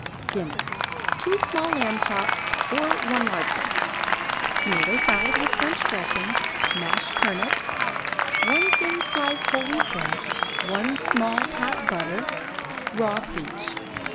DINNER 2 small lamb chops or 1 large one; tomato salad with French dressing; mashed turnips; 1 thin slice whole wheat bread; 1 small pat butter; raw peach.